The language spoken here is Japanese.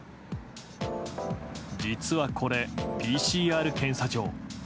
実はこれ、ＰＣＲ検査場。